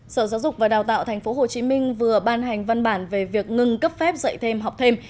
sở giáo dục và đào tạo tp hcm vừa ban hành văn bản về việc ngừng cấp phép dạy thêm học thêm